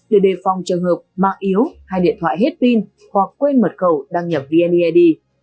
để đề phòng trường hợp mạng yếu hay điện thoại hết pin hoặc quên mật khẩu đăng nhập vneid